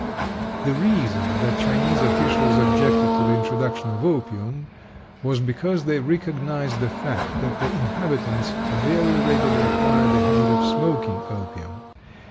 The reason that Chinese officials objected to the introduction of opium was because they recognized the fact that the inhabitants very readily acquired the habit of smoking opium.